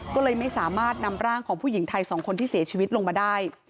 ก็เลยไม่สามารถนำร่างของผู้หญิงไทย๒คนที่เสียชีวิตลงมาได้